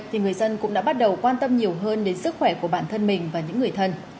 thì người dân cũng đã bắt đầu quan tâm nhiều hơn đến sức khỏe của bản thân mình và những người thân